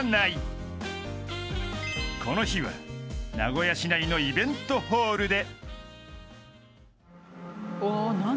［この日は名古屋市内のイベントホールで］